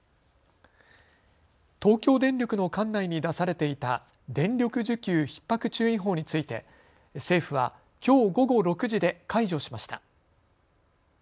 東京電力の管内に出されていた電力需給ひっ迫注意報について政府はきょう午後６時で解除しました。